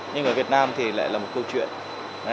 nhưng ở việt nam thì lại là một câu chuyện